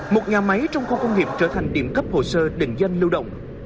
một nhà máy trong khu công nghiệp trở thành điểm cấp hồ sơ định danh lưu động